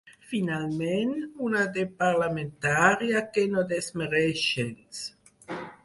Finalment, una de parlamentària que no desmereix gens.